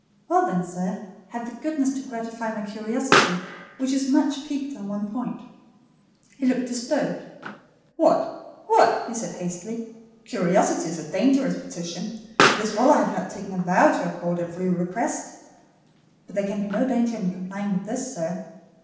"Well then, sir, have the goodness to gratify my curiosity, which is much piqued on one point." He looked disturbed. "What? what?" he said hastily. "Curiosity is a dangerous petition: it is well I have not taken a vow to accord every request—" "But there can be no danger in complying with this, sir."